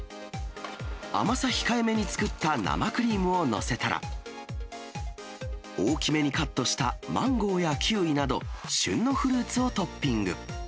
甘さ控えめに作った生クリームを載せたら、大きめにカットしたマンゴーやキウイなど旬のフルーツをトッピング。